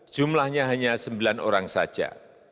jumlahnya hanya sembilan orang saja